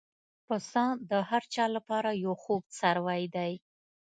پسه د هر چا له پاره یو خوږ څاروی دی.